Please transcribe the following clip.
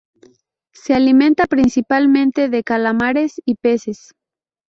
Se alimenta principalmente de calamares y peces.